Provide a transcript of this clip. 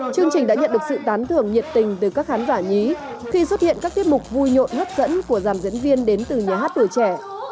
chương trình đã nhận được sự tán thưởng nhiệt tình từ các khán giả nhí khi xuất hiện các tiết mục vui nhộn hấp dẫn của giàn diễn viên đến từ nhà hát tuổi trẻ